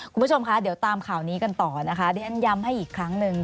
คุณผู้ชมคะเดี๋ยวตามข่าวนี้กันต่อนะคะที่ฉันย้ำให้อีกครั้งหนึ่ง